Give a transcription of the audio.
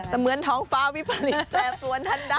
เสมือนท้องฟ้าวิภาษีแปลวนทันได้